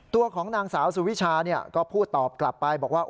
ตัวของนางสาวสุวิชาก็พูดตอบกลับไปบอกว่า